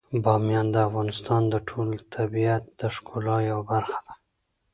بامیان د افغانستان د ټول طبیعت د ښکلا یوه برخه ده.